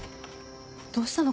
どうしたの？